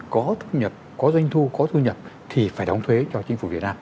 có thu nhập có doanh thu có thu nhập thì phải đóng thuế cho chính phủ việt nam